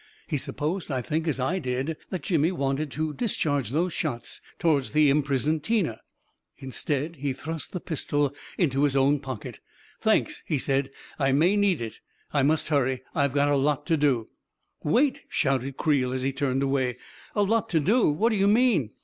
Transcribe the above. He supposed, I think, as I did, that Jimmy wanted to discharge those shots toward the imprisoned Tina. Instead, he thrust the pistol into his own pocket. " Thanks !" he said. " I may need it. I must hurry — I've got a lot to do." " Wait !" shouted Creel, as he turned away. "A lot to do? What do you mean?